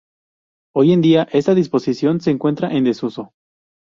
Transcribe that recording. Hoy en día, esta disposición se encuentra en desuso.